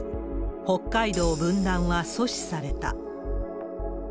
北海道分断は阻止された。